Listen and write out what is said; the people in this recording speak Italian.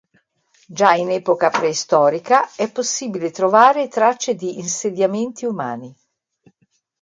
Già in epoca preistorica è possibile trovare tracce di insediamenti umani.